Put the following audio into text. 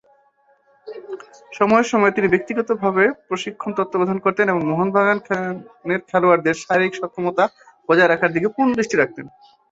সময়ে সময়ে তিনি ব্যক্তিগতভাবে প্রশিক্ষণ তত্ত্বাবধান করতেন এবং মোহনবাগানের খেলোয়াড়দের শারীরিক সক্ষমতা বজায় রাখার দিকে পূর্ণ দৃষ্টি রাখতেন।